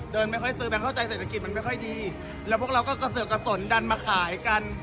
ไม่ค่อยซื้อไปเข้าใจเศรษฐกิจมันไม่ค่อยดีแล้วพวกเราก็กระเสือกกระสนดันมาขายกัน